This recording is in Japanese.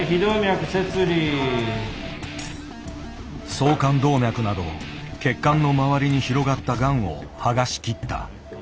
総肝動脈など血管の周りに広がったがんを剥がしきった。